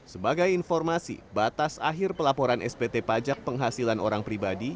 sebagai informasi batas akhir pelaporan spt pajak penghasilan orang pribadi